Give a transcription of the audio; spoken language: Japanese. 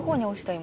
今。